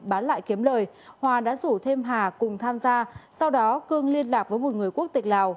bán lại kiếm lời hòa đã rủ thêm hà cùng tham gia sau đó cương liên lạc với một người quốc tịch lào